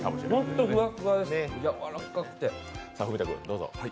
ホントふわっふわですやわらかくて！